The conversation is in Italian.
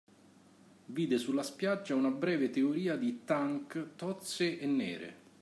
Vide sulla spiaggia una breve teoria di tank tozze e nere.